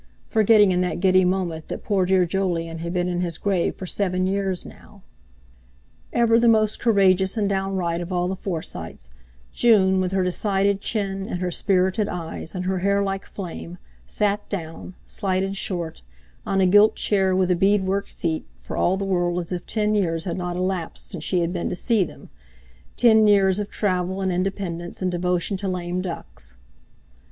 forgetting in that giddy moment that poor dear Jolyon had been in his grave for seven years now. Ever the most courageous and downright of all the Forsytes, June, with her decided chin and her spirited eyes and her hair like flame, sat down, slight and short, on a gilt chair with a bead worked seat, for all the world as if ten years had not elapsed since she had been to see them—ten years of travel and independence and devotion to lame ducks.